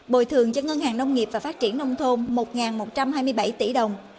bồi thường cho ngân hàng nông nghiệp và phát triển nông thôn một một trăm hai mươi bảy tỷ đồng